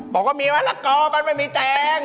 บอกว่ามีมะละกอมันไม่มีแตง